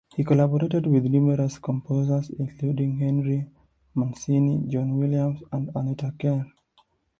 He collaborated with numerous composers, including Henry Mancini, John Williams, and Anita Kerr.